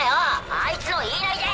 ⁉あいつの言いなりで。